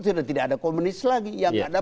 sudah tidak ada komunis lagi yang ada